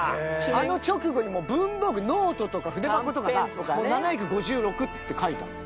あの直後にもう文房具ノートとか筆箱とかが「７５６」って書いてあるの。